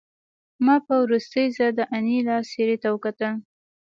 ما په وروستي ځل د انیلا څېرې ته وکتل